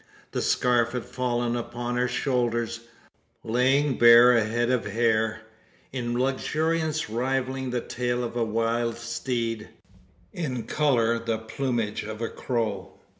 The scarf had fallen upon her shoulders, laying bare a head of hair, in luxuriance rivalling the tail of a wild steed, in colour the plumage of a crow.